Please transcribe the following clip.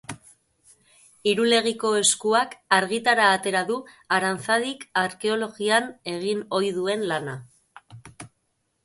Irulegiko Eskuak argitara atera du Aranzadik arkeologian egin ohi duen lana.